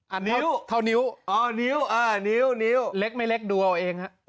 อันเท่านิ้วอ๋อนิ้วอ่านิ้วนิ้วเล็กไหมเล็กดูเอาเองฮะ